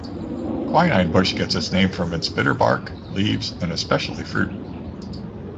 Quinine bush gets its name from its bitter bark, leaves, and, especially, fruit.